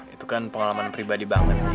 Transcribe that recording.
itu kan pengalaman pribadi banget